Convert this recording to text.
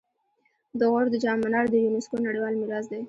د غور د جام منار د یونسکو نړیوال میراث دی